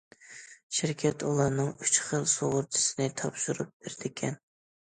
شىركەت ئۇلارنىڭ ئۈچ خىل سۇغۇرتىسىنى تاپشۇرۇپ بېرىدىكەن.